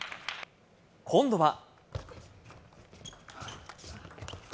今度は。